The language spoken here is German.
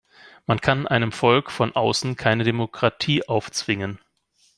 Man kann einem Volk von außen keine Demokratie aufzwingen.